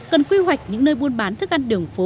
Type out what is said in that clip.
cần quy hoạch những nơi buôn bán thức ăn đường phố